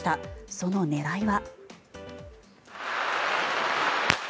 その狙いは。